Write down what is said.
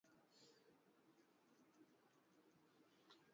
viazi lishe husaidia miili ya watoto kukua